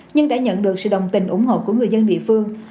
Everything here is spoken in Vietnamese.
nhưng đã nhận được sự đồng tình ủng hộ của người dân địa phương